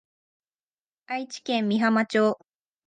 愛知県美浜町